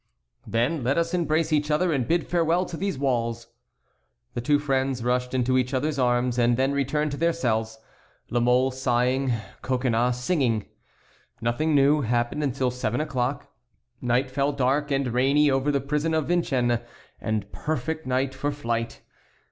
"Then let us embrace each other and bid farewell to these walls." The two friends rushed into each other's arms and then returned to their cells, La Mole sighing, Coconnas singing. Nothing new happened until seven o'clock. Night fell dark and rainy over the prison of Vincennes, a perfect night for flight.